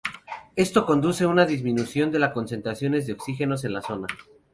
Esto conduce a una disminución de las concentraciones de oxígeno en la zona.